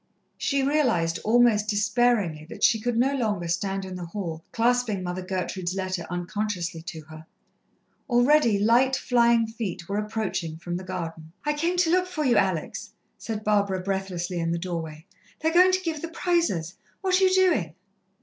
She realized almost despairingly that she could no longer stand in the hall clasping Mother Gertrude's letter unconsciously to her. Already light, flying feet were approaching from the garden. "I came to look for you, Alex," said Barbara breathlessly in the doorway. "They're going to give the prizes. What are you doing?"